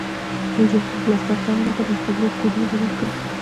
رئیس جمهور خپلو عسکرو ته امر وکړ؛ د مخابرو کوډونه بدل کړئ!